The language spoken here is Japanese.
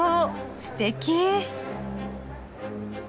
すてき。